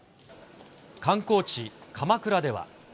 観光地、鎌倉では。